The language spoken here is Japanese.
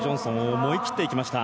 思い切っていきました。